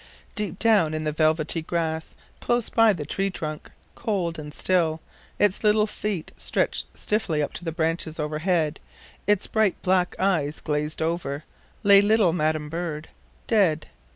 Deep down in the velvety grass, close by the tree trunk, cold and still, its little feet stretched stiffly up to the branches overhead, its bright black eyes glazed over, lay little madam bird, dead.